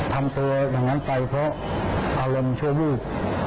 ทำตัวอย่างนั้นไปเพราะอารมณ์ชั่ววูบ